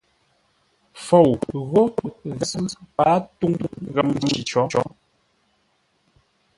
Fou ghó gháp zʉ́ pâa túŋ ghəm nci có.